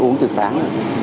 uống từ sáng